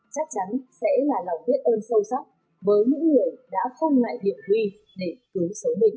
chắc chắn sẽ là lòng biết ơn sâu sắc với những người đã không ngại hiểm nguy để cứu sống mình